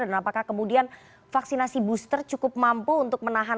dan apakah kemudian vaksinasi booster cukup mampu untuk menahan